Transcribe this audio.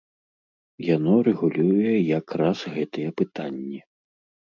Яно рэгулюе як раз гэтыя пытанні.